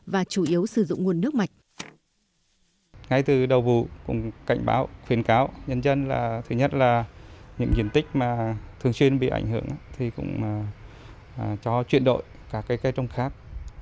và chủ yếu sử dụng nguồn nước